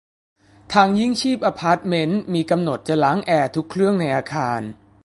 ทางยิ่งชีพ อพาร์ทเม้นต์ มีกำหนดจะล้างแอร์ทุกเครื่องในอาคาร